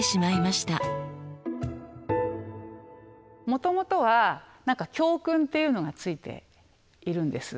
もともとは教訓っていうのがついているんです。